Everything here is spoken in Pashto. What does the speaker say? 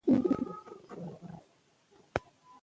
وايي، چې په لرغوني بابل کې